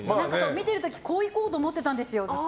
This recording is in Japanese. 見てる時こういこうと思ってたんですよ。